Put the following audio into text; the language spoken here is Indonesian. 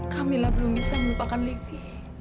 kamila belum bisa melupakan livi